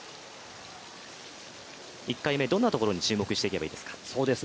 １回目、どんなところに注目していけばいいですか。